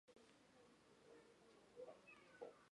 祖父王继先。